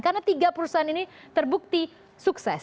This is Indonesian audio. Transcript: karena tiga perusahaan ini terbukti sukses